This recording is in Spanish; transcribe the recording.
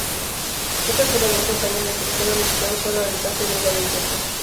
Estas eran dos hazañas de excepcional ambición solo al alcance de un gran imperio.